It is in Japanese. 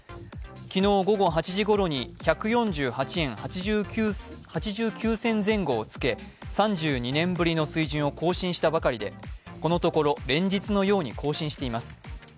昨日午後８時ごろに１４８円８９銭前後をつけ３２年ぶりの水準を更新したばかりでこのところ、連日のように更新しています。